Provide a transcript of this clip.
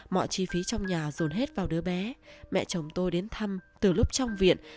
mọi chi phí trong nhà dồn hết vào đứa bé mẹ chồng tôi đến thăm từ lúc trong viện